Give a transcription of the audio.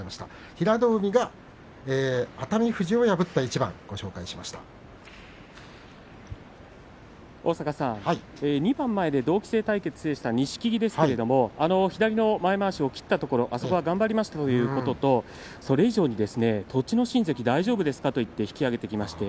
平戸海が熱海富士を２番前で同期生対決を制した錦木ですが左の前まわしを切ったところあそこは頑張りましたということとそれ以上に栃ノ心関大丈夫ですかね？というふうに言って引き揚げていきました。